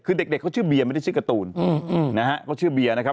คือเด็กเขาชื่อเบียร์ไม่ได้ชื่อการ์ตูนนะฮะเขาชื่อเบียร์นะครับ